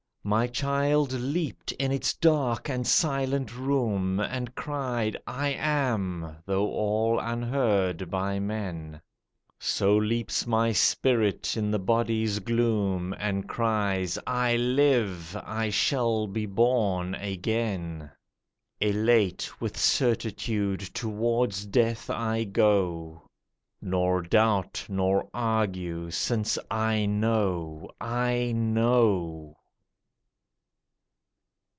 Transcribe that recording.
My child leaped in its dark and silent room And cried, 'I am,' though all unheard by men. So leaps my spirit in the body's gloom And cries, 'I live! I shall be born again.' Elate with certitude towards death I go, Nor doubt, nor argue, since I know, I know!